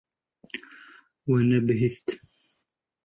We nebihîst.